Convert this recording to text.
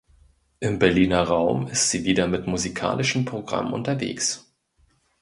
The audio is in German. Im Berliner Raum ist sie wieder mit musikalischen Programmen unterwegs.